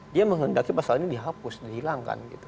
dia menghendaki pasal ini dihapus dihilangkan